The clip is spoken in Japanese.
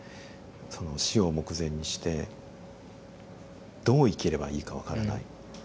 その死を目前にしてどう生きればいいか分からない。